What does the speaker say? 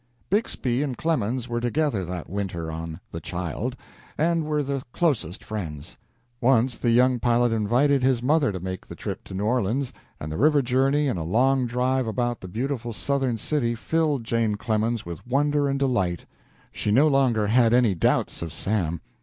Bixby and Clemens were together that winter on the "Child," and were the closest friends. Once the young pilot invited his mother to make the trip to New Orleans, and the river journey and a long drive about the beautiful Southern city filled Jane Clemens with wonder and delight. She no longer shad any doubts of Sam.